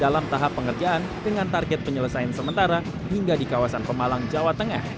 dalam tahap pengerjaan dengan target penyelesaian sementara hingga di kawasan pemalang jawa tengah